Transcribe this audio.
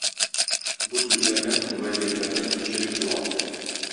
Бу сүзләрдән соң вәзирләрдә көнчелек туа.